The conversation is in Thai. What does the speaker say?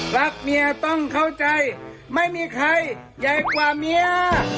รักเมียต้องเข้าใจไม่มีใครใหญ่กว่าเมีย